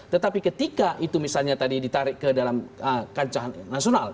tetapi ketika itu misalnya tadi ditarik ke dalam kancahan nasional